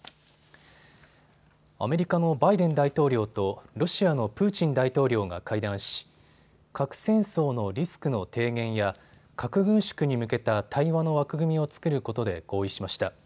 アメリカのバイデン大統領とロシアのプーチン大統領が会談し核戦争のリスクの低減や核軍縮に向けた対話の枠組みを作ることで合意しました。